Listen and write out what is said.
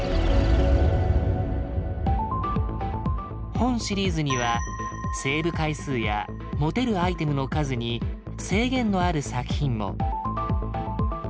本シリーズにはセーブ回数や持てるアイテムの数に制限のある作品も。